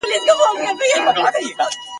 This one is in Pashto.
ته بېشکه هم ښایسته یې هم رنګینه ..